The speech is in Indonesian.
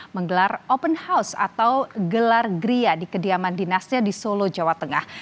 menggelar open house atau gelar gria di kediaman dinasnya di solo jawa tengah